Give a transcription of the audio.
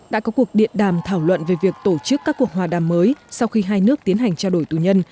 đã có cuộc điện đàm thảo luận về việc tổ chức các cuộc hòa đàm mới sau khi hai nước tiến hành trao đổi tù nhân